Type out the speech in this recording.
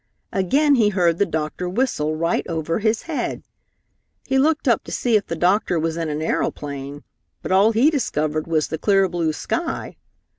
Again he heard the doctor whistle right over his head. He looked up to see if the doctor was in an aeroplane, but all he discovered was the clear, blue sky.